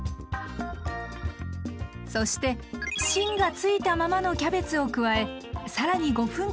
そして芯がついたままのキャベツを加え更に５分間火を入れます。